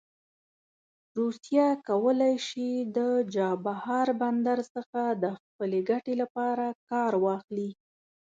روسیه کولی شي د چابهار بندر څخه د خپلې ګټې لپاره کار واخلي.